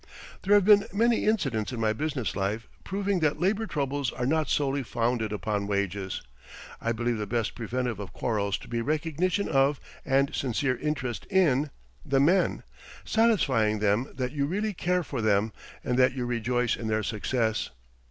There have been many incidents in my business life proving that labor troubles are not solely founded upon wages. I believe the best preventive of quarrels to be recognition of, and sincere interest in, the men, satisfying them that you really care for them and that you rejoice in their success.